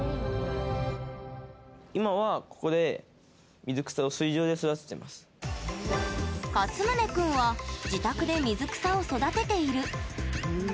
今は、ここでかつむね君は自宅で水草を育てている。